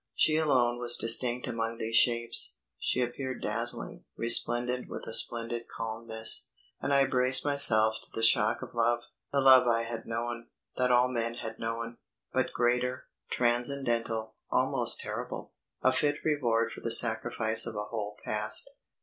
She alone was distinct among these shapes. She appeared dazzling; resplendent with a splendid calmness, and I braced myself to the shock of love, the love I had known, that all men had known; but greater, transcendental, almost terrible, a fit reward for the sacrifice of a whole past.